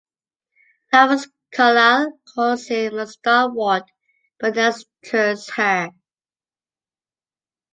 Thomas Carlyle calls him "a stalwart but necessitous Herr".